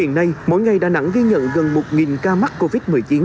hiện nay mỗi ngày đà nẵng ghi nhận gần một ca mắc covid một mươi chín